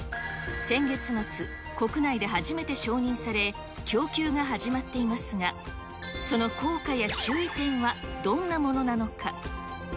先月末、国内で初めて承認され、供給が始まっていますが、その効果や注意点は、どんなものなのか。